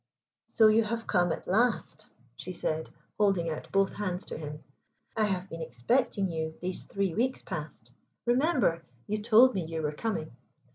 "So you have come at last," she said, holding out both hands to him. "I have been expecting you these three weeks past. Remember, you told me you were coming."